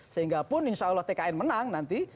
sehingga pun insya allah tkn menang nanti